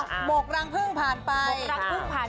อ้าวหมกรังพึ่งผ่านไป